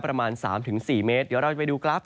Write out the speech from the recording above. ก็จะมีการแผ่ลงมาแตะบ้างนะครับ